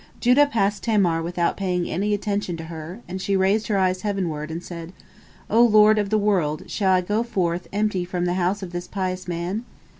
Judah passed Tamar by without paying any attention to her, and she raised her eyes heavenward, and said, "O Lord of the world, shall I go forth empty from the house of this pious man?"